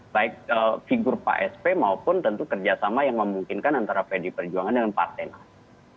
baik figur pak sp maupun tentu kerjasama yang memungkinkan antara pdi perjuangan dengan partai nasdem